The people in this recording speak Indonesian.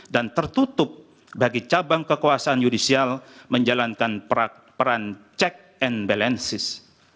dan tertutup bagi cabang kekuasaan judicial menjalankan peran check and balances